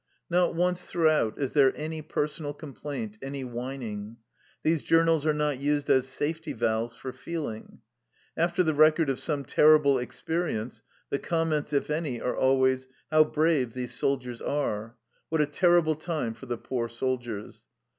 Not once throughout is there any personal complaint, any whining ; these journals are not used as safety valves for feeling. After the record of some terrible experience, the comments, if any, are always, "How brave these soldiers are 1" " What a terrible time for the poor soldiers